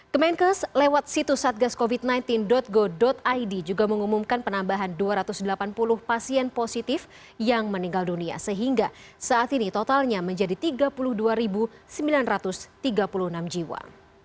kemenkes lewat situs satgascovid sembilan belas go id juga mengumumkan penambahan dua ratus delapan puluh pasien positif yang meninggal dunia sehingga saat ini totalnya menjadi tiga puluh dua sembilan ratus tiga puluh enam jiwa